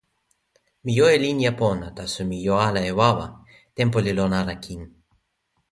mi jo e linja pona, taso mi jo ala e wawa. tenpo li lon ala kin.